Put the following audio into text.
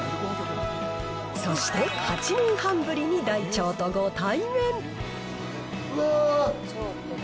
そして８年半ぶりに大腸とご対面うわー！